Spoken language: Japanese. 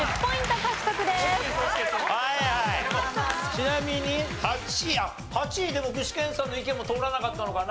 ちなみに８位あっ８位でも具志堅さんの意見も通らなかったのかな？